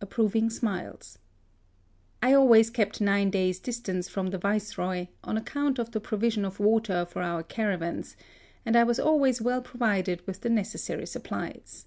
(Approving smiles.) I always kept nine days' distance from the Viceroy, on account of the provi sion of water for our caravans, and I was always well provided with the necessary supplies.